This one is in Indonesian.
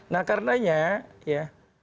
nah karenanya ya